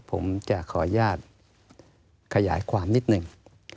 ผมจะขออนุญาตขยายความนิดหนึ่ง